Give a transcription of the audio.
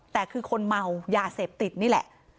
แต่คือคนเมายาเสพติดนี่แหละ